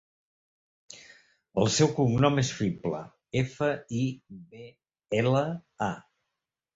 El seu cognom és Fibla: efa, i, be, ela, a.